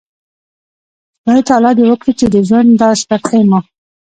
خدای تعالی د وکړي چې د ژوند دا څپرکی مو